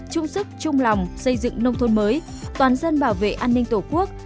trung sức trung lòng xây dựng nông thôn mới toàn dân bảo vệ an ninh tổ quốc